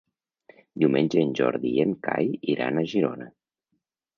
Diumenge en Jordi i en Cai iran a Girona.